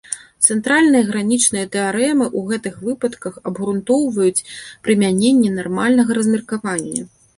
Цэнтральныя гранічныя тэарэмы ў гэтых выпадках абгрунтоўваюць прымяненне нармальнага размеркавання.